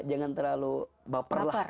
jangan terlalu baper lah